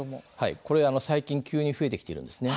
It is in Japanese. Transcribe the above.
これは最近急に増えてきているんですね。